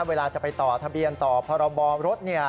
เวลาจะไปต่อทะเบียนต่อพรบรถ